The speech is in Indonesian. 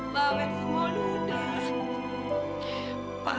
pak udah pak